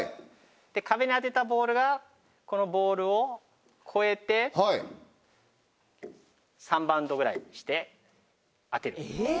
壁に当てたボールがこのボールを越えて３バウンドぐらいして当てる。